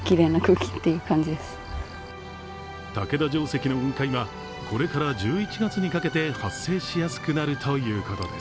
竹田城跡の雲海はこれから１１月にかけて発生しやすくなるということです。